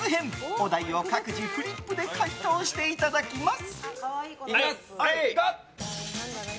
お題を各自フリップで回答していただきます。